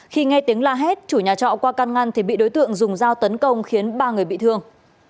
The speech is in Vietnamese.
khi nghe tiếng la hét chủ nhà trọ qua căn ngăn thì bị đối tượng dùng dao tấn công khiến ba người bị thương